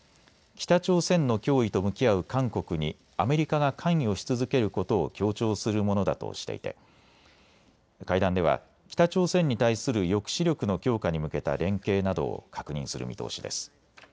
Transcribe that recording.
北朝鮮の脅威と向き合う韓国にアメリカが関与し続けることを強調するものだとしていて会談では北朝鮮に対する抑止力の強化に向けた連携などを確認する見通しです。